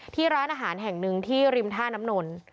ที่ร้านอาหารแห่งหนึ่งที่ริมท่าน้ำนน